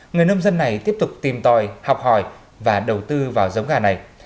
người nông dân này tiếp tục tìm tòi học hỏi và đầu tư vào giống gà này